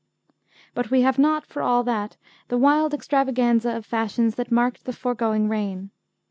But we have not, for all that, the wild extravaganza of fashions that marked the foregoing reign.